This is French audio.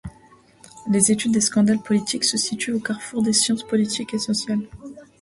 L'étude des scandales politiques se situe au carrefour des sciences politiques et sociales.